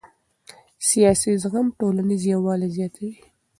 سیاسي زغم ټولنیز یووالی زیاتوي